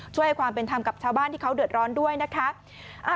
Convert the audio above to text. ให้ความเป็นธรรมกับชาวบ้านที่เขาเดือดร้อนด้วยนะคะ